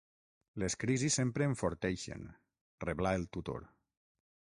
Les crisis sempre enforteixen —reblà el tutor.